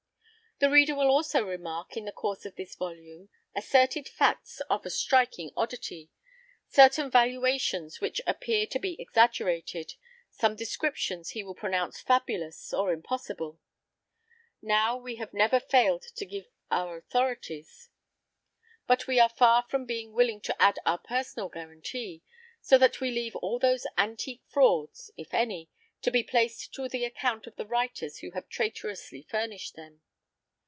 The reader will also remark, in the course of this volume, asserted facts of a striking oddity, certain valuations which appear to be exaggerated, some descriptions he will pronounce fabulous or impossible. Now, we have never failed to give our authorities, but we are far from being willing to add our personal guarantee; so that we leave all those antique frauds if any to be placed to the account of the writers who have traitorously furnished them.